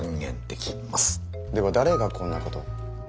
では誰がこんなことを？